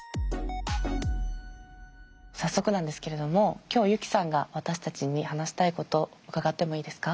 早速なんですけれども今日ユキさんが私たちに話したいこと伺ってもいいですか？